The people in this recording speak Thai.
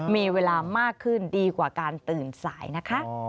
มีเวลามากขึ้นดีกว่าการตื่นสายนะคะ